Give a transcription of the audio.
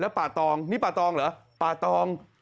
ป่าตองนี่ป่าตองเหรอป่าตอง